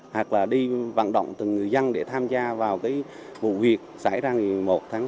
hoặc là đi vận động từng người dân để tham gia vào cái vụ việc xảy ra ngày một mươi một tháng sáu